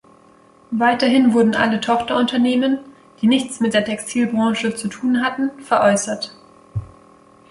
Weiterhin wurden alle Tochterunternehmen, die nichts mit der Textilbranche zu tun hatten veräußert.